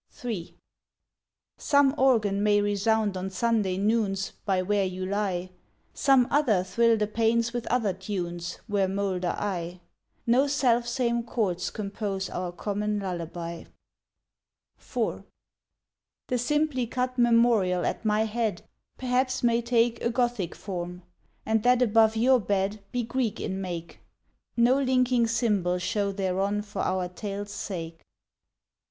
III Some organ may resound on Sunday noons By where you lie, Some other thrill the panes with other tunes Where moulder I; No selfsame chords compose our common lullaby. IV The simply cut memorial at my head Perhaps may take A Gothic form, and that above your bed Be Greek in make; No linking symbol show thereon for our tale's sake.